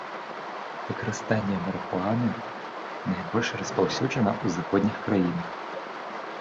Выкарыстанне марыхуаны найбольш распаўсюджана ў заходніх краінах.